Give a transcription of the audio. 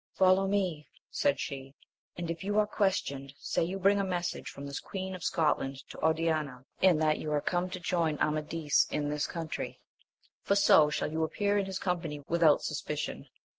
Follow me, said she, and if you are questioned, say you bring a message from the Queen of Scotland to Oriana, and that you are come to join Amadis in this country, for so shall you appear in his company with out suspicion.